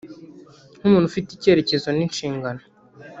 nk’umuntu ufite icyerekezo n’inshingano